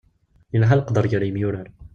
Ilha leqder gar yemyurar.